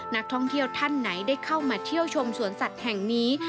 นักท่องเที่ยวท่านไหนได้เข้ามาเที่ยวชมสวนสัตว์แห่งนี้